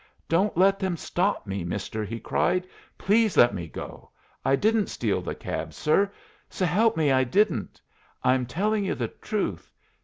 "Don't let them stop me, mister," he cried, "please let me go. I didn't steal the cab, sir. S'help me, I didn't. I'm telling you the truth.